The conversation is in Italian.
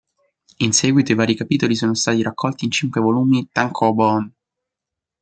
In seguito i vari capitoli sono stati raccolti in cinque volumi "tankōbon".